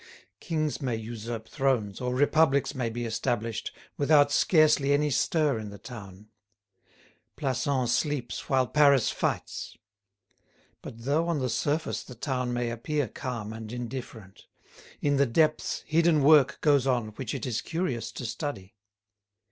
Kings may usurp thrones, or republics may be established, without scarcely any stir in the town. Plassans sleeps while Paris fights. But though on the surface the town may appear calm and indifferent, in the depths hidden work goes on which it is curious to study.